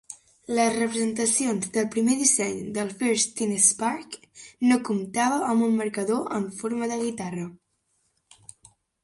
Les representacions del primer disseny del First Tennessee Park no comptava amb un marcador en forma de guitarra.